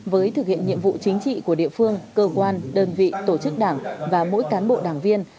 với thực hiện nhiệm vụ chính trị của địa phương cơ quan đơn vị tổ chức đảng và mỗi cán bộ đảng viên